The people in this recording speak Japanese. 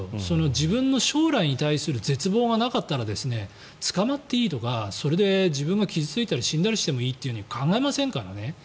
自分の将来に対する絶望がなかったら捕まっていいとかそれで自分が傷付いたり死んだりしてもいいと考えませんからね。